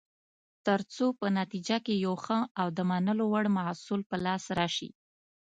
ترڅو په نتیجه کې یو ښه او د منلو وړ محصول په لاس راشي.